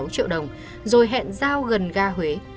một mươi năm sáu triệu đồng rồi hẹn giao gần ga huế